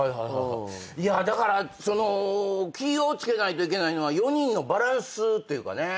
いやだからその気を付けないといけないのは４人のバランスっていうかね。